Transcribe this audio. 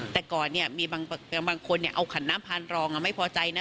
แต่ก่อนเนี่ยมีบางคนเอาขันน้ำพานรองไม่พอใจนะ